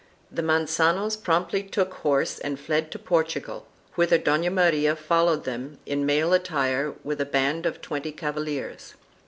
The Mancanos promptly took horse and fled to Portugal, whither Dona Maria followed them in male attire with a band of twenty cavaliers.